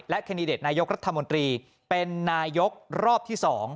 แคนดิเดตนายกรัฐมนตรีเป็นนายกรอบที่๒